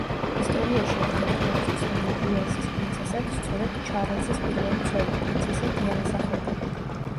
ისტორიაში ერთ-ერთ ყველაზე ცნობილ უელსის პრინცესად სწორედ ჩარლზის პირველი ცოლი, პრინცესა დიანა სახელდება.